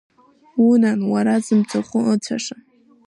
Унан, уара зымцахә ыцәаша!